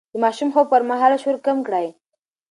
د ماشوم د خوب پر مهال شور کم کړئ.